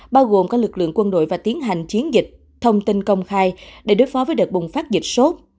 bao gồm các lực lượng quân đội và tiến hành chiến dịch thông tin công khai để đối phó với đợt bùng phát dịch sốt